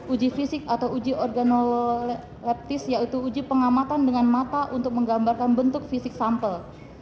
uji fisik atau uji organololeptis yaitu uji pengamatan dengan mata untuk menggambarkan bentuk fisik sampel